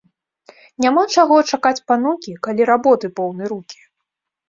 Няма чаго чакаць панукі, калі работы поўны рукі